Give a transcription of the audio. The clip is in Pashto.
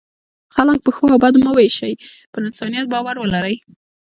خلک په ښو او بدو مه وویشئ، پر انسانیت باور ولرئ.